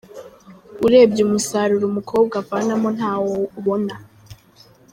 urebye umusaruro umukobwa avanamo ntawo ubona.